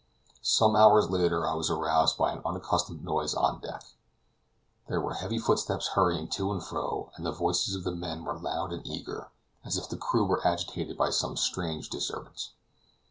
Some hours later I was aroused by an unaccustomed noise on deck. There were heavy footsteps hurrying to and fro, and the voices of the men were loud and eager, as if the crew were agitated by some strange disturbance.